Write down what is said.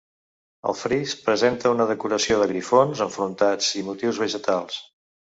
El fris presenta una decoració de grifons enfrontats i motius vegetals.